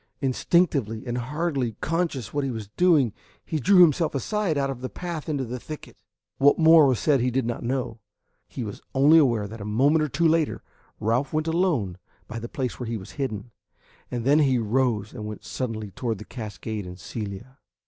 Instinctively, and hardly conscious what he was doing, he drew himself aside out of the path into the thicket. What more was said, he did not know. He was only aware that a moment or two later Ralph went alone by the place where he lay hidden, and then he rose and went slowly toward the cascade and Celia.